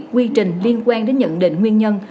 quy trình liên quan đến nhận định nguyên nhân